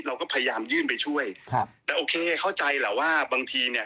เราก็พยายามยื่นไปช่วยครับแต่โอเคเข้าใจแหละว่าบางทีเนี่ย